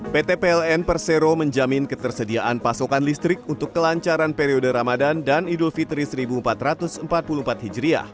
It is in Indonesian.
pt pln persero menjamin ketersediaan pasokan listrik untuk kelancaran periode ramadan dan idul fitri seribu empat ratus empat puluh empat hijriah